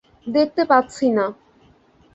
দেখতে পাচ্ছি না।